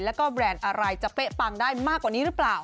แล้วก็แบรนด์อะไรจะเป๊ะปังได้มากกว่านี้หรือเปล่า